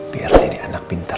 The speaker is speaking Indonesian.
biar jadi anak pinter